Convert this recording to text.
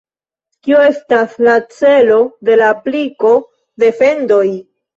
Kio estas la celo de la apliko de fendoj?